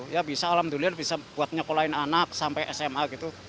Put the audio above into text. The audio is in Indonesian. ya bisa alhamdulillah bisa buat nyekolahin anak sampai sma gitu